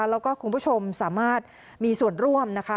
แล้วก็คุณผู้ชมสามารถมีส่วนร่วมนะคะ